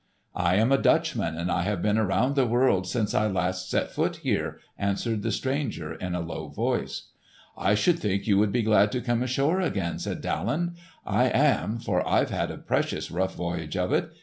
"I am a Dutchman and I have been around the world since I last set foot here," answered the stranger in a low voice. "I should think you would be glad to come ashore again," said Daland. "I am, for I've had a precious rough voyage of it.